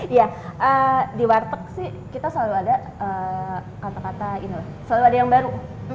iya di warteg sih kita selalu ada kata kata ini loh selalu ada yang baru